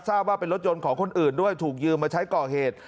ทราบว่าเป็นรถยนต์ของคนอื่นด้วยถูกยืมมาใช้ก่อเหตุ